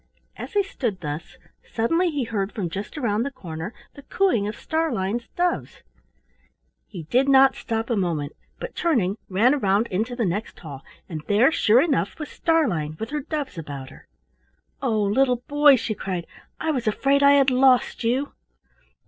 As he stood thus, suddenly he heard from just around the corner the cooing of Starlein's doves. He did not stop a moment, but turning ran around into the next hall, and there sure enough was Starlein with her doves about her. "Oh, little boy!" she cried, "I was afraid I had lost you."